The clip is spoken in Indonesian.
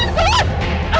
mana dia kara